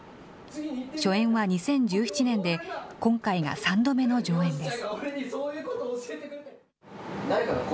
初演は２０１７年で、今回が３度目の上演です。